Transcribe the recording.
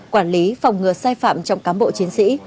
quản lý phòng ngừa sai phạm trong cán bộ chiến sĩ